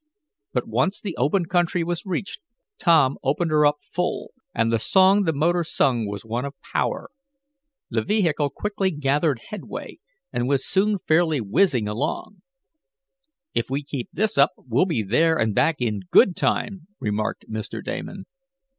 But once the open country was reached Tom "opened her up full," and the song the motor sung was one of power. The vehicle quickly gathered headway and was soon fairly whizzing along. "If we keep this up we'll be there and back in good time," remarked Mr. Damon.